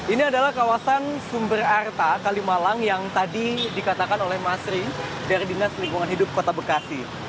ini adalah kawasan sumber arta kalimalang yang tadi dikatakan oleh mas ri dari dinas lingkungan hidup kota bekasi